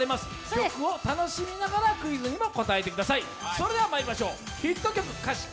曲を楽しみながらクイズにも答えてください。